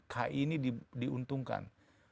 ki ini diuntungkan